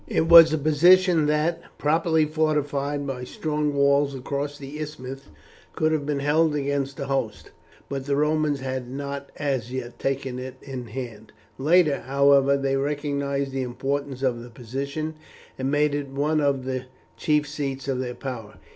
It was a position that, properly fortified by strong walls across the isthmus, could have been held against a host, but the Romans had not as yet taken it in hand; later, however, they recognized the importance of the position, and made it one of the chief seats of their power.